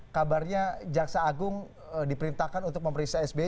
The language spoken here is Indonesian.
kabarnya jaksa agung diperintahkan untuk memeriksa sbi